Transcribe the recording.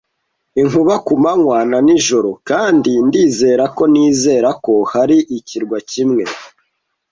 inkuba ku manywa na nijoro; kandi ndizera ko nizera ko hari ikirwa kimwe